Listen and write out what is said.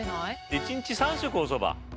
１日３食おそば？